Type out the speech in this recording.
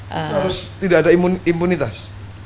harus tidak ada impunitas